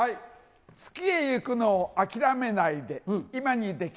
月へ行くのを諦めないで。